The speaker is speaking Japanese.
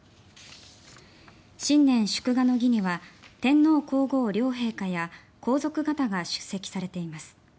新年祝賀の儀には天皇・皇后両陛下や皇族方が出席されています。